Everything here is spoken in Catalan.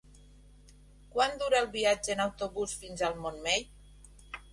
Quant dura el viatge en autobús fins al Montmell?